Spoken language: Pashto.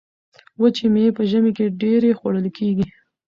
وچې میوې په ژمي کې ډیرې خوړل کیږي.